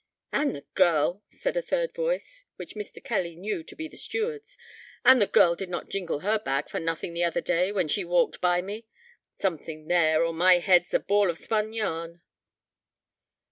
"And the girl," said a third voice, which Mr. Kelly knew to be the steward's "and the girl did not jingle her bag for nothing the other day, when she walked by me: something there, or my head 's a ball of spun yarn."